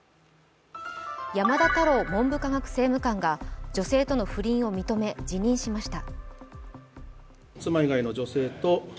山田太郎文科政務官が女性との不倫を認め、辞任しました。